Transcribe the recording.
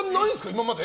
今まで。